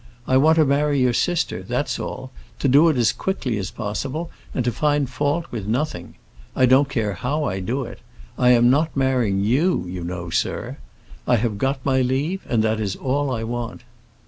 I want to marry your sister, that's all; to do it as quickly as possible, and to find fault with nothing. I don't care how I do it. I am not marrying you, you know, sir. I have got my leave, and that is all I want."